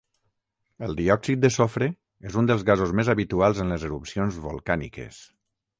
El diòxid de sofre és un dels gasos més habituals en les erupcions volcàniques.